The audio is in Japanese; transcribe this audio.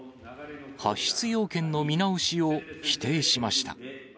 発出要件の見直しを否定しました。